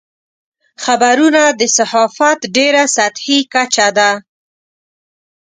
خبرونه د صحافت ډېره سطحي کچه ده.